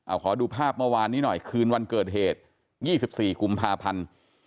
เอาขอดูภาพเมื่อวานนี้หน่อยคืนวันเกิดเหตุ๒๔กุมภาพันธ์